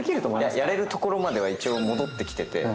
やれるところまでは一応戻ってきてて。